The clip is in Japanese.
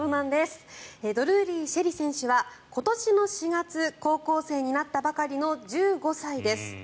ドルーリー朱瑛里選手は今年の４月高校生になったばかりの１５歳です。